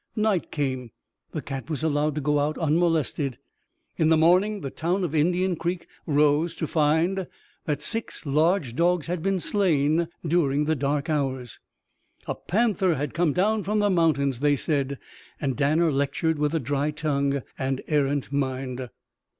Night came. The cat was allowed to go out unmolested. In the morning the town of Indian Creek rose to find that six large dogs had been slain during the dark hours. A panther had come down from the mountains, they said. And Danner lectured with a dry tongue and errant mind.